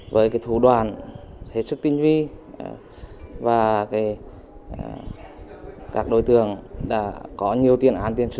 với thủ đoàn hết sức tin vi và các đối tượng đã có nhiều tiền án tiên sử